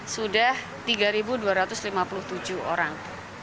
sudah tiga dua ratus lima puluh tujuh orang